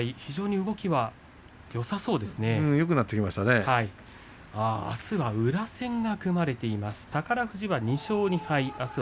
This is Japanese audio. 大栄翔はあす、宇良戦が組まれています。